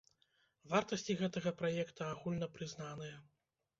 Вартасці гэтага праекта агульна прызнаныя.